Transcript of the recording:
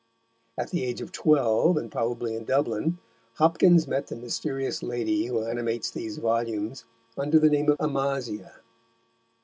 At the age of twelve, and probably in Dublin, Hopkins met the mysterious lady who animates these volumes under the name of Amasia.